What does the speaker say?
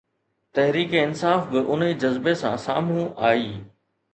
تحريڪ انصاف به ان ئي جذبي سان سامهون آئي.